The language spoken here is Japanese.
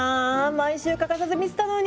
毎週欠かさず見てたのに。